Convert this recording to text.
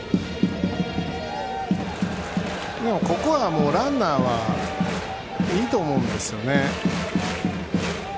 ここはランナーはいいと思うんですよね。